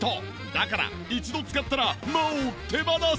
だから一度使ったらもう手放せない！